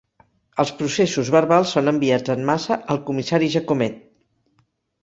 Els processos verbals són enviats en massa al comissari Jacomet.